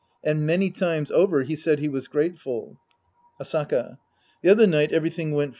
And many times over he said he was grateful. Asaka. The other night everything went fine.